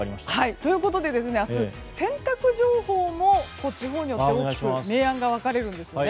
ということで明日洗濯情報も地方によって大きく明暗が分かれるんですよね。